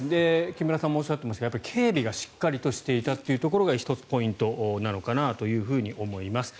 木村さんもおっしゃっていましたが警備がしっかりとしていたというところが１つポイントなのかなと思います。